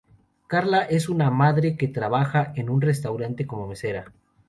Karla es una madre que trabaja en un restaurante como mesera.